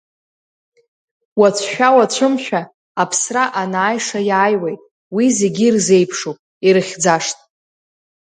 Уацәшәа-уацәымшәа, аԥсра анааиша иааиуеит, уи зегьы ирзеиԥшуп, ирыхьӡашт.